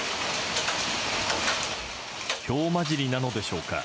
ひょう交じりなのでしょうか。